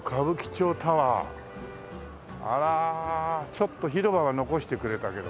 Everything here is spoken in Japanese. ちょっと広場は残してくれたけど。